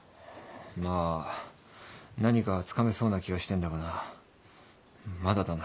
まあ何かつかめそうな気はしてんだがなまだだな。